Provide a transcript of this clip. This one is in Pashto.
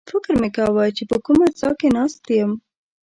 فکر مې کاوه چې په کومه څاه کې ناست یم.